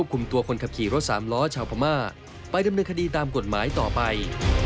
คุมตัวคนขับขี่รถสามล้อชาวพม่าไปดำเนินคดีตามกฎหมายต่อไป